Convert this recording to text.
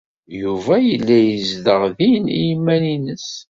Yuba yella yezdeɣ din i yiman-nnes.